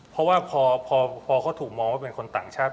เพราะว่าพอเขาถูกมองว่าเป็นคนต่างชาติ